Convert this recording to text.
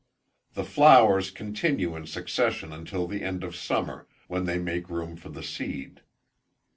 The flowers continue in succession until the end of summer, when they make room for the seed.